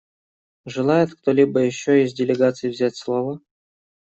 Желает кто-либо еще из делегаций взять слово?